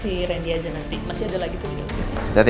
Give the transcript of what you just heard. si randy aja nanti masih ada lagi video